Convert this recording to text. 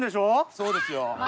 そうですよ。